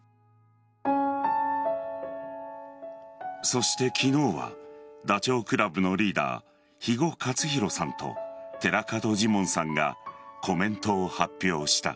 そして昨日はダチョウ倶楽部のリーダー・肥後克広さんと寺門ジモンさんがコメントを発表した。